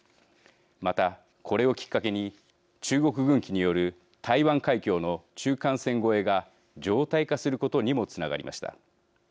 また、これをきっかけに中国軍機による台湾海峡の中間線越えが常態化することにもつながりました。